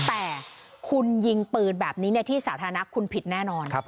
แต่คุณยิงปืนแบบนี้ในที่สาธารณะคุณผิดแน่นอน